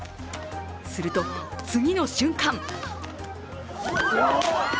すると次の瞬間。